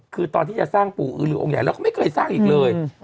คือตอนที่จะสร้างปู่อื้อหรือองค์ใหญ่แล้วก็ไม่เคยสร้างอีกเลย